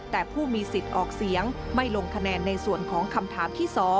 แต่ผู้มีสิทธิ์ออกเสียงไม่ลงคะแนนในส่วนของคำถามที่๒